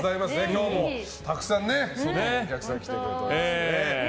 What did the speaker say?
今日もたくさんね外のお客さん来てくれてますね。